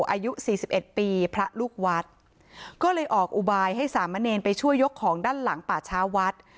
อายุสี่สิบเอ็ดปีพระลูกวัดก็เลยออกอุบายให้สามเณรไปช่วยยกของด้านหลังป่าช้าวัด